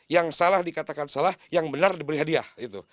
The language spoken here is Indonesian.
yang salah dikatakan salah yang benar diberi hadiah itu